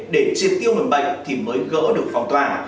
để chiếm tiêu nguyên bệnh thì mới gỡ được phòng toàn